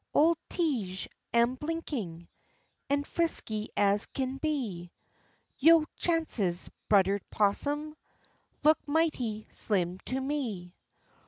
Ole Tige am blinkin' An' frisky as kin be, Yo' chances, Brudder 'Possum, Look mighty slim to me.